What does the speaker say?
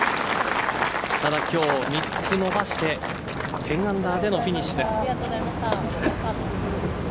ただ今日３つ伸ばして１０アンダーでのフィニッシュです。